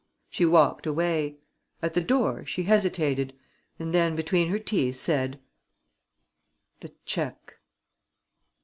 She walked away. At the door, she hesitated and then, between her teeth, said: "The cheque."